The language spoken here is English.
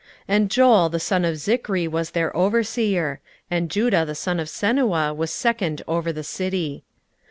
16:011:009 And Joel the son of Zichri was their overseer: and Judah the son of Senuah was second over the city.